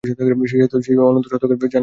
সেই অনন্ত সত্যকে জানাই মুক্তিলাভ।